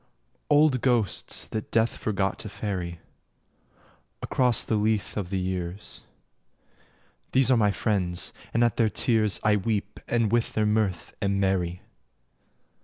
Old ghosts that death forgot to ferry Across the Lethe of the years These are my friends, and at their tears I weep and with their mirth am merry.